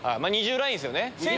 ２０ラインですよね。